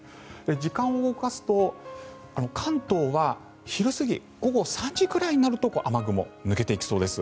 時間を動かすと、関東は昼過ぎ午後３時くらいになると雨雲が抜けていきそうです。